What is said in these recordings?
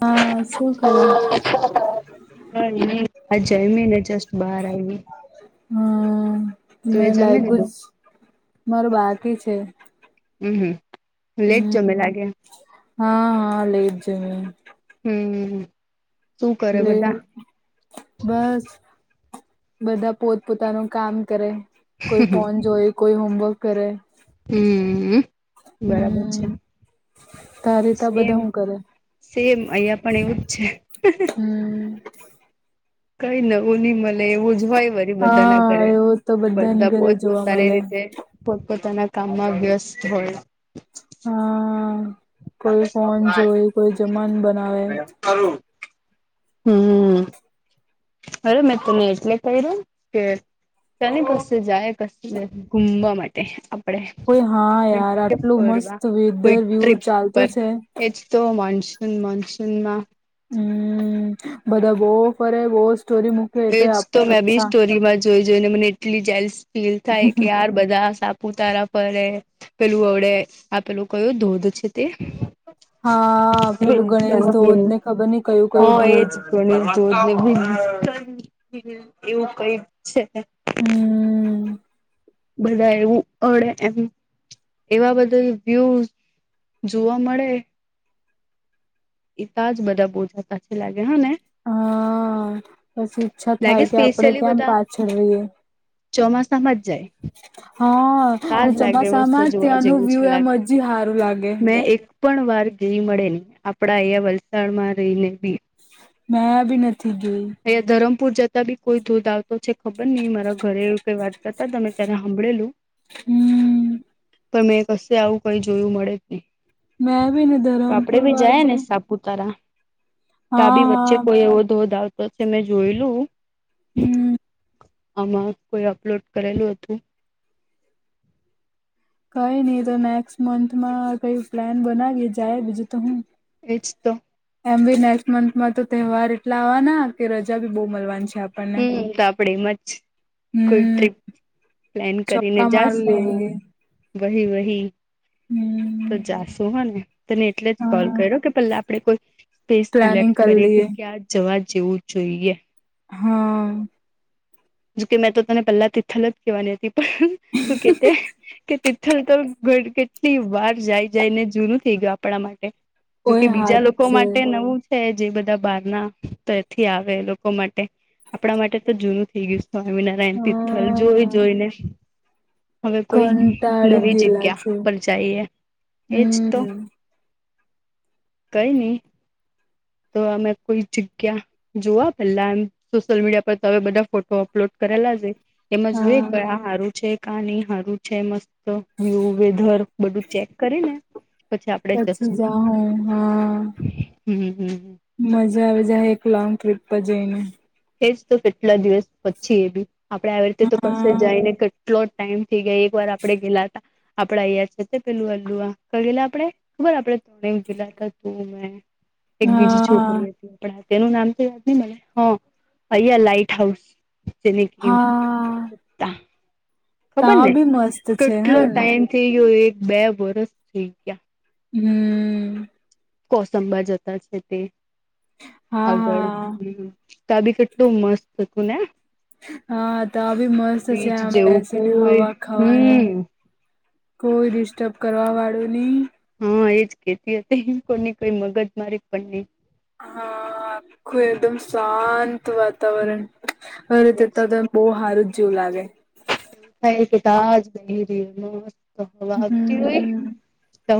હા શું કરે હા હજ જયમી ને જસ્ટ બહાર આયવી. હમ મે જમી લાયગું લીધું જ મારું બાકી છે. હમ હમ લેટ હમ જમે લાગે? હા હા લેટ જમ્યું. હમ હમ હમ લે એવું? બસ બધા પોત પોતાનું કામ કરે. કોઈ ફોન જોય, કોઈ હોમવર્ક કરે. હમ બરાબર હમ છે તારી તા સેમ. બધા હું કરે સેમ અહિયા પણ એવું જ છે. હમ કઈ નવું ની મલે એવું જ હોય. બધાના હા ઘરે, એવું તો બધાની બધા ઘરે પોત જોવા પોતાની મળે રીતે પોતપોતાના કામમાં વ્યસ્ત હોય. હા કોઈ ફોન જોઈ, કોઈ જમાન બનાવે. કરું હમ હલો મે તમને એજ લેટ કર્યું કે શેની કસે જાય કશે ગુમવા માટે. આપડે કોઈ હા મીનસ યાર કે આટલું ફરવા મસ્ત કોઈ વેધર વ્યુ ટ્રીપ ચાલતું પર છે એજ. તો મોન્સુન મોન્સુન માં હમ બધા બોવ ફરે બહુ જ એજ તો મે બી સ્ટોરીમાં જોઈ જોઈને મને એટલી જેલસ ફિલ થાય કે યાર બધા સાપુતારા ફરે પેલું અડે આ પેલું કયો ધોધ છે તે હા પેલું વિલ્સન ગણેશ હીલ ધોધ ને ખબર નઈ કયું હ કયું એજ. ધોધ તેની ધોધની [inaudible] એવું કંઈક છે. હમ બધાય એવું અડે એમ. એવા બધા વ્યુસ જોવા મળે. એતા જ બધા બોજાતા છે લાગે હા ને. હા પછી ઈચ્છા લાગે થાય કે આપડે સ્પેશિયલી કેમ બધા પાછળ રહીએ. ચોમાસામાં જ જાય હા ને તાજ લાગે મસ્ત ચોમાસામાં જ જોવા ત્યાંનું જેવું વ્યુ છે એમ લાગે હજી હારું લાગે. મેં એક પણ વાર જઈ મળે ની. આપડા અહીંયા વલસાડમાં રહીને બી મે બી નથી ગઈ. અહીંયા ધરમપુર જતા બી કોઈ ધોધ આવતો છે ખબર નઈ મારા ઘરે એવું કઈ વાત કરતા તા મેં ત્યારે હાભળેલું. હમ પણ મેં કશે આવું કઈ જોયું મળે જ નહી. મેં બી મે ધરમપુર બાજુ. પૂતારા હા તાબી વચ્ચે હા કોઈ એવો ધોધ આવતો છે મેં જોયલું. હમ. આમાં કોઈ અપલોડ કરેલું હતું. કઈ નહી તો, નેક્સ્ટ મંથમાં કઈ પ્લાન બનાવી જાય, બીજું તો હું. એ જ તો. એમ ભી નેક્સ્ટ મંથ માં તો, તહેવાર એટલા આવાના કે, રજા બી બહુ મળવાની છે, આપડે. હમ, તો આપડે એમાં જ કોઈ હમ ટ્રીપ. પ્લાન કરીને ચોક્કા માર જાશુ. લેંગે વહી, વહી હમ તો જાશુ હ ને. તને એટલે જ સોલ હા કર્યો કે, પહેલા આપડે કોઈ સ્પેસ પ્લાનિંગ સિલેક્ટ કર કરીએ લએ કે, ક્યા જવા જેવું જોઈએ. હા. જોકે મેં તો તને પહેલા તિથલ જ કહેવાની હતી, પણ તું કે કે લ તો ઘ કેટલી વાર જાય જાય ને, જૂનું થઇ ગયું, આપણા માટે. જોકે ઓય બીજા હાથ લોકો છે માટે નવું. હ, જે બધા બહાર ના તો એથી આવે, લોકો માટે આપણા માટે તો જૂનું થઈ ગયું છે. સ્વામિનારાયણ તિર્થલ જોઈ હા જોઈને. હવે કોઈ કંટાળી નવી ગયેલા જગ્યા છે પર જઈએ. એજ તો હમ કઈ નહી. તો અમે કોઈ જગ્યા. જોવા પેલા એમ સોશિયલ મીડિયા પર તો, હવે બધા ફોટો અપલોડ કરેલા છે. તેમજ હા આર. છે. કાની હારું છે, મસ્ત વ્યુ વેધર બધું ચેક કરીને. પછી આપડે પછી જશું જા, હા. હમ હમ મજા આવે જાય, એક લ લોંગ ટ્રીપ પર જઈને. એજ તો કેટલા દિવસ પછી એ બી આપડે, આવી રીતે તો કશે હા જાયને. એટલો ટાઈમ થઈ ગયો, એક વાર આપડે ગેલા હતા. આપડા અગર છે, પેલું અલુઆ કઈ ગેલા આપડે ખબર, આપડે ત ગેલા ત તું મેં. એક બીજી હા છોકરી હતી, આપ તેનું નામ તો યાદ નહી મળે, હા. અયા લાાઈટ હાઉસ, જેને. હા ખબર તા ને બી મસ્ત છે કેટલો હેને ટાઈમ થઇ ગયો, એક-બે વર્ષ થઈ ગયા. હમ. કોસંબા જતા છે તે, હા આગળ હા હમ. તાબી કેટલું મસ્ત હતું ને. હા, તો આ બી મસ્ત છે, બીચ આમ જેવું બેસીને, કોઈ હવા ખાવાની. હમ કોઈ ડિસ્ટર્બ કરવા વાળું નહીં. હા, એજ ખેતી હતી, કોની કઈ મગજ મારી પણ નહી. હા, આખું એકદમ શાંત વાતાવરણ. હરે એજ તેતા ત તો બહુ સારું જ જેવું લાગે. તાજ ન વાતી હોય.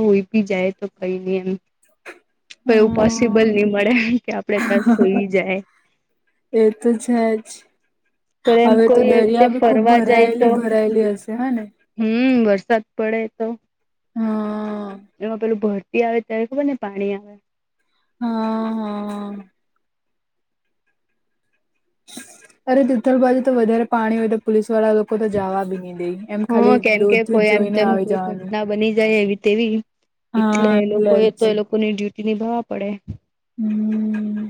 હોય, બી જાય તો, કઈ નહી એમ. તો એવું પોસિબલ હમ નહી મળે કે, આપડે ત્યા સુઈ જાય. એ તો છે જ. પણ એમ હવે તો કોઈ એવી રીતે દરિયા બી ખુબ ફરવા જાય તો ભરાયેલી ભરાયેલી હશે, હા ને. હમ, વરસાદ પડે તો? હમ. એમાં પેલું ભરતી આવે, ત્યારે ખબર ને પાણી આવે. હા, હા. અરે તિથલ બાજુ તો વધારે પાણી હોય તો, પોલીસ વાળા લોકો તો જવા બી નહી દે. એમ હ, ખાલી કેમ કે દૂરથી કોઈ એમ જોઈને જેમ આવી કોઈ જવાનું ઘટના બની જાય, એવી તેવી. એટલે હા એ લોકો એ તો જ એ લોકોની ડ્યુટી નિભાવવા પડે. હમ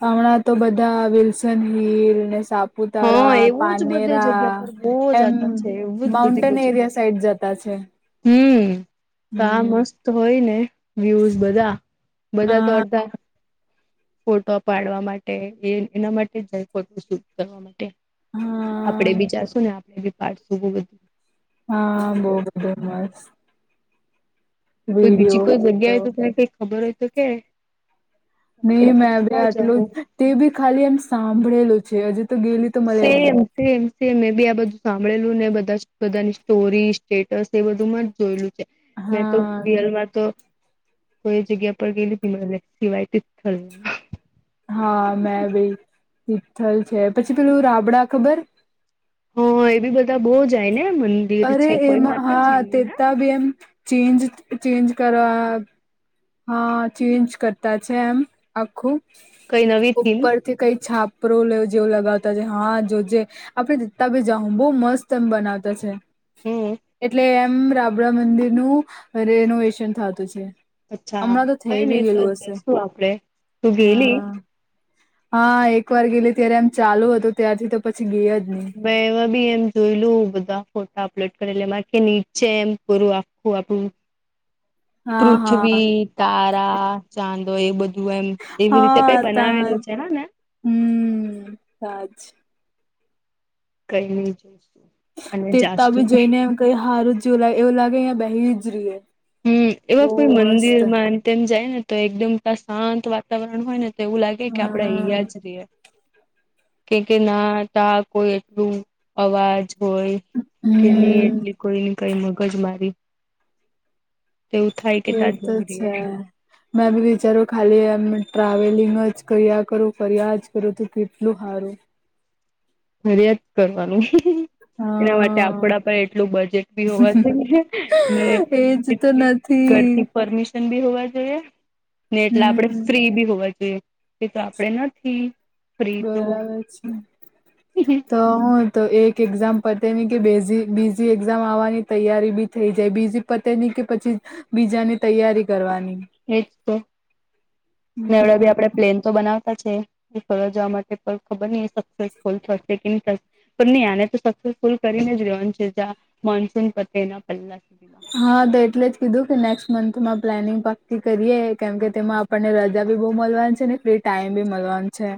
હમણાં તો બધા વિલ્સન હિલ ને સાપ હા પુતારા એવું જ બધી પાનેરા જગ્યા પર બહુ એમ જતા છે એવું જ બધી બહુ માઉન્ટેન જગ્યા એરિયા પર સાઈડ જતા છે હમ તા હમ મસ્ત તો હોય ને વ્યુઝ બધા અ બધા તો અડધા ફોટો પાડવા માટે એ એના માટે જ જાય ફોટો શૂટ કરવા માટે આપણેે હા બી જાશું ને આપણેે બી પાડશું બ બધું હા બહુ બધું મસ્ત કોઈ બીજી વિડીયો કોઈ જગ્યા હોય તો તન કઈ ખબર હોય તો કે. આપડે નહી પછી મેં ભી ત્યાં આટલું જવું તે બી ખાલી એમ સાંભળેલું છે હજી તો ગેલી. તો મળે નહી સેમ. સેમ સેમ મે બી આ બધું સાંભળેલું ને બધા બધાની સ્ટોરી સ્ટેટસ એ બધું માં જ જોયેલું. મેં તો હા રિયલ મા તો. કોઈ જગ્યા પર ગયલી મલે સિવાય તીથલ. હા મેં બી તિથલ છે પછી પેલું રાબડા ખબર. હ એ બી બધા બહુ જાય ને મ. અરે એમાં હા તેતા બી એમ ચેન્જ ચેન્જ કરવા. હા ચેન્જ કરતા છે એમ આખું કઈ નવી થીમ ઉપર. તે કંઈ છાપરો લે જેવું લગાવતા છે હા જો જે. આપેતા બી [unintelligible] હ બહુ મસ્ત એમ બનાવતા છે. હમ એટલે એમ રાબડા મંદિરનું રેનોવેશન થાતું છે. અચ્છા હમણાં તો થઈ કઈ બી નઈ તો ગયેલું હશે જઈશું આપડે તું ગેલી હા. હા એક વાર ગેલી ત્યારે એમ ચાલુ હતું ત્યારથી તો પછી ગયા જ નહી. મે એવા બી એમ જોઈ લું બધા ફોટા અપલોડ કરેલી એમાં કે નીચે એમ પરું આખું આપડું. હા હા પૃથ્વી તારા ચાંદો એ બધું. એમ એવી રીતે હા કઈ તા બનાવેલું છે હ ને. હમ સા જ. કઈ નહી જોઈશું. અને તે તી જાશું જોઈને એમ કઈ હાર જવું એવું લાગે બેહી જ રહીએ. હમ બહુ એવા કોઈ મંદિર મસ્ત માં તેમ જાય ને તો એકદમ શાંત વાતાવરણ હોય ને. તો એવું લાગે કે આપડે હા અહીંયા જ રહીએ. કે કે ના તા કોઈ એટલું અવાજ હોય. કે ન હમ એટલી કોઈ કઈ મગજ મારી. તેવુ થાય. કે એ ત્યાં જ તો નહી છે. રહીએ મેં બી વિચાર્યું ખાલી એમ ટ્રાવેલિંગ જ કર્યા કરું કર્યા જ કરું તો કેટલું સારું. ત્યાં જ કરવાનું. એના માટે હા આપડા પર એટલું બજેટ બી હોવા છે ને ને. એજ તો એટલી નથી ઘરથી પરમિશ. હોવા જોઈએ ને એટલે આપણે હમ ફ્રી બી હોવા જોઈએ. એ તો આપડે નથી ફ્રી તો. બરાબર તો. હ તો એક એક્ઝામ પતેની કે બીજી બીજી એક્ઝામ આવવાની તૈયારી બી થઈ જાય બીજી. પતેની કે પછી બીજાની તૈયારી કરવાની. એજ તો નવરા હમ બી આપડે. પ્લેન તો બનાવતા છે ફરવા જવા માટે પણ ખબર નહી સક્સેસફુલ થશે કે નહી થશે. પણ નહી આને તો સક્સેસફુલ કરીને જ રેવાનું છે જ્યાં મોન્સૂન પતે એના પહેલા સુધીમાં. હા તો એટલે જ કીધું કે નેક્સ્ટ મંથમાં પ્લાનિંગ પાક્કી કરીએ કેમ કે તેમાં આપણને રજા. રજા બી બહુ મળવાની છે ને ફ્રી ટાઈમ બી મળવાનું છે.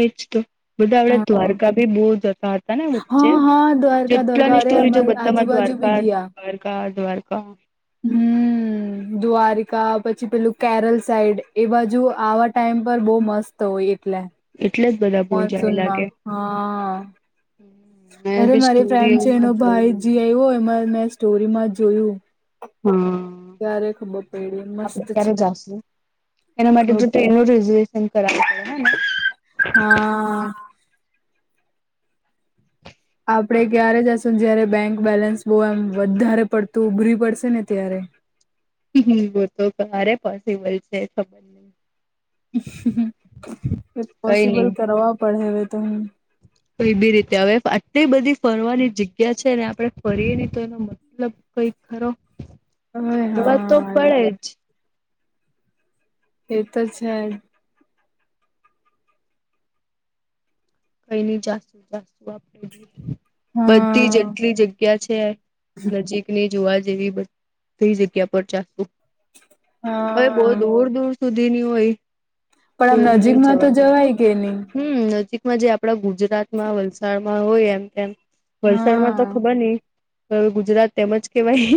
એજ તો બધા આપડે હા દ્વારકા ભી બહુ જ હતા હતા. તા ને વચ્ચે હા હા દ્વારકા દ્વારકા જેટલાની અરે સ્ટોરી જો અમારી બધામાં આજુબાજુ બી દ્વારકા ગયા દ્વારકા દ્વારકા. હા. [unintelligible] [inaudible] દ્વા્વારિકા પછી પેલું કેરલ સાઈડ એ બાજુ આવા ટાઈઇમ પર બહુ મસ્ત. તોય એટલે. એટલે જ બધા. બહુ જાય મોનસૂનમાં લાગે હા. મેં અરે બી મારી સ્ટોરી ફ્રેન્ડ છે એનો એવુંમાં ભાઈ જોયેલું જી આવ્યો એમાં મેં સ્ટોરીમાં જોયું. હા ત્યારે ખબર પેડયુ આપડે મસ્ત છે. ક્યારે જાશું એના માટે તો ખબ- ટ્રેનું રિઝર્વેશન કરાવ હા. આપડે ક્યારે જશું જયારે બેંક બેલેન્સ બહુ એમ વધારે પડતું ઉભરી પડશે ને ત્યારે ઇ તો ક્યારે પોસિબલ છે. નહી કઈ પોસિબલ નહી કરવા પડે હવે તો હ. તો એ બી રીતે હવે આટલી બધી ફરવાની જગ્યા છે ને આપડણે ફરીએ તો એનો મતલબ કઈક ખરો હવે ફરવા તો હા પડે જ એ તો છે. કઈ ન [inaudible] જાતું જાશતું આપણેે બી બધી હા જેટલી જગ્યા કયાં છે નજીક ની જોવા જેવી બધી જગ્યા પર ચાલશુ. પર બહુ હા દૂર દૂર સુધીની હોય. પણ તો આમ નહી નજીકમાં તો જવા દે જવાય કે નહી. હમ નજીકમાં જે આપડા ગુજરાતમાં વલસાડમાં હોય એમ તેમ વલસાડમાં તો ખબર હા નઈ હ ગુજરાત તેમજ કેવાય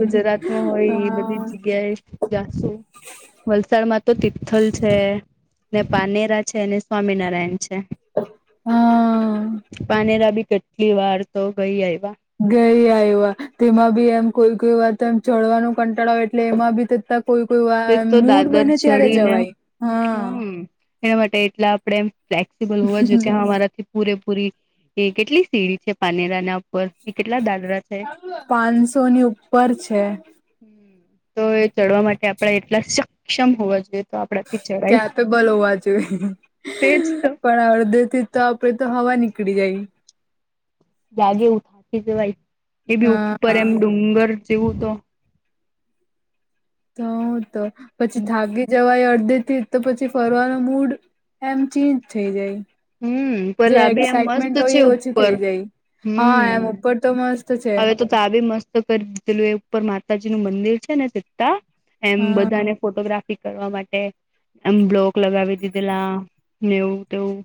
ગુજરાતમાં હોય એ બધી હા જગ્યાએ જાશું વલસાડમાં તો તિથલ છે ને પાનેરા છે અને સ્વામિનારાયણ છે હા પાનેરા બી કેટલી વાર તો ગઈ આઈવા ગઈ આઈવા તેમાં બી એમ કોઈ કોઈ વાત એમ ચડવાનું કંટાળાવ એટલે એમાં બી કોઈ કોઈ વાર તે તો મૂડ દાદર બને ત્યારે ચડીને જવાય હા હમ એના માટે એટલા આપડે એમ ફ્લેક્સિબલ હોય જોકે અમારાથી પૂરેપૂરી એ કેટલી સીડી છે પાનેરાના ઉપર થી કેટલા દાદરા છે. પાંચસો ની ઉપર છે હમ તો એ ચડવા માટે આપડે એટલા સક્ષમ હોવા જોઈએ. તો આપડા ક્યા પે બલ હોવા જોઈએ તેજ તો પણ આડધે થી તો આપડે તો હવા નીકળી જાઈ. જાગે એવું થાકી જવાય એ બી ઉપર હા એમ ડુંગર જેવું તો તો તો પછી થાકી જવાય અડધે થી તો પછી ફરવાનો મૂડ એમ ચેન્જ થઈ જાય. હમ પર જે આ બી એમ મસ્ત એક્સાઈટમેન્ટ છે હોય એ ઓછી ઉપર થઈ જાય હા એમ હમ ઉપર તો મસ્ત છે. હવે તો તાબે મસ્ત કરી દીધેલું એ ઉપર માતાજી નું મંદિર છે ને સીતા એમ હા. બધાને ફોટોગ્રાફ ફી કરવા માટે એમ બ્લોક લગાવી દીધેલા નેવું તેવું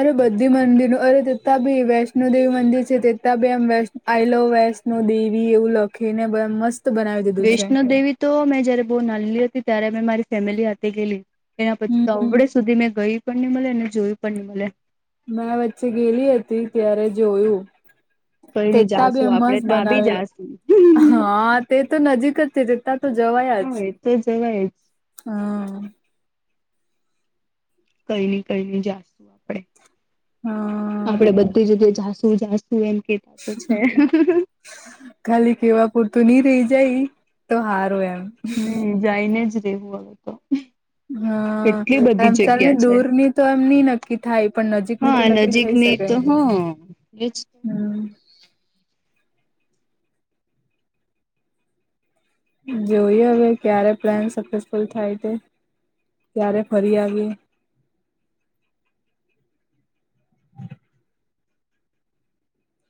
અરે બધી મંદિરો અરે તેતાં બી વૈષ્ણો દેવી મંદિર છે તેતાં બી આમ વૈ આઈલો વૈષ્ણવો દેવી એવું લખી ને બ મસ્ત બનાવી દીધું છે. વૈષ્ણો દેવી તો મેં જયારે બહુ નાનલી હતી ત્યારે મેં મારી ફેમિલી હાથે ગયેલી. એના પછી તો હમ અવડે સુધી મેં ગઈ પણ નહી મલે અનેને જોયું પણ નહી મલે. મેં વચ્ચે ગેલી હતી ત્યારે જોયું કઈ નઈ તેતા બી જાશું એમ આપડે મસ્ત ત્યાં બી બનાવેલુ જાશું હા તે તો નજીક જ. તો જવાયા જ હા એ તો જવાય જ હમ કઈ ની કઈ ની જાસ્તુ આપડે હા આપડે બધી જગ્યાએ જાશું જાસું એમ કેતા છે. ખાલી કેવા પૂરતું નહી રહી જાય તો હારું એમ. નહી જઈને જ રહેેવું આવ તો. હા કેટલી બધી આમ ચાલ ને જગ્યા છે દૂર ની તો એમ નઈ નક્કી થાય પણ નજીક. ની તો હા નક્કી થઈ નજીકની શકે તો હા એજ હમ. જોઈ હવે ક્યારે પ્લાન સક્સેસફુલ થાય છે. ક્યારે ફરી આવીએ.